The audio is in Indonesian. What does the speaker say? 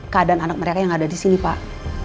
keadaan anak mereka yang ada di sini pak